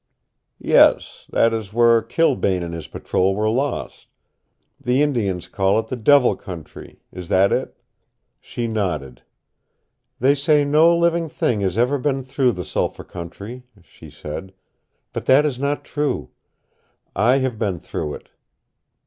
"Yes. That is where Kilbane and his patrol were lost. The Indians call it the Devil Country. Is that it?" She nodded. "They say no living thing has ever been through the Sulphur Country," she said. "But that is not true. I have been through it.